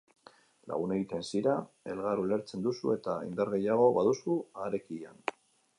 Lagun egiten zira, elgar ulertzen duzu eta indar gehiago baduzu harekilan.